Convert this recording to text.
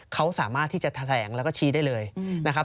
เขาสามารถที่จะแถลงแล้วก็ชี้ได้เลยนะครับ